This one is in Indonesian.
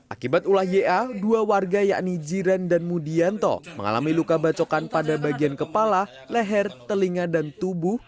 akibat ulah ya dua warga yakni jiran dan mudianto mengalami luka bacokan pada bagian kepala leher telinga dan tubuh